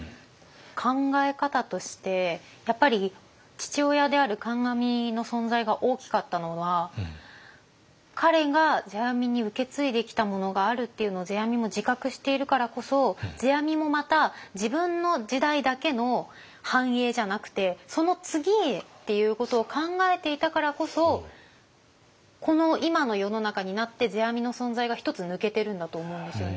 考え方としてやっぱり父親である観阿弥の存在が大きかったのは彼が世阿弥に受け継いできたものがあるっていうのを世阿弥も自覚しているからこそ世阿弥もまたからこそこの今の世の中になって世阿弥の存在が一つ抜けてるんだと思うんですよね。